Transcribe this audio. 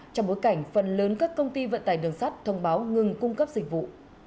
trong bối cảnh phần lớn các công ty vận tải đường sắt thông báo ngừng cung cấp dịch vụ